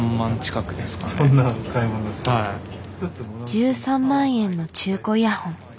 １３万円の中古イヤホン。